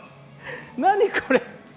何これ。